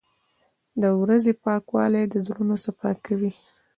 • د ورځې پاکوالی د زړونو صفا کوي.